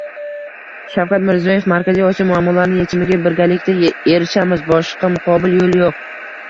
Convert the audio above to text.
Shavkat Mirziyoyev: “Markaziy Osiyo muammolari yechimiga birgalikda erishamiz. Boshqa muqobil yo‘l yo‘q”